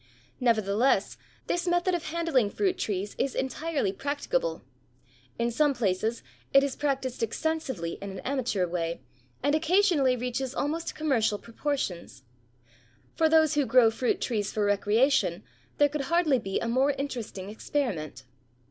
Nevertheless this method of handling fruit trees is entirely practicable. In some places it is practised extensively in an amateur way, and occasionally reaches almost commercial proportions. For those who grow fruit trees for recreation there could hardly be a more interesting experiment.